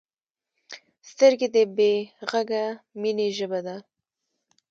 سترګې د بې غږه مینې ژبه ده